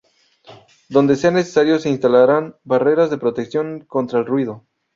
Donde sea necesario, se instalarán barreras de protección contra el ruido.